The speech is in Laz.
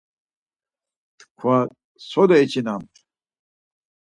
T̆ǩva sole içinamt?